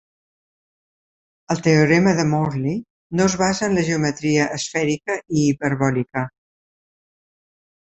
El teorema de Morley no es basa en la geometria esfèrica i hiperbòlica.